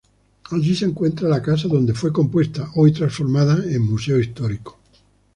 Allí se encuentra la casa donde fue compuesta, hoy transformada en museo histórico.